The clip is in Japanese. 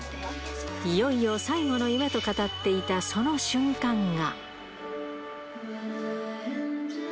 いよいよ最後の夢と語っていたその瞬間が。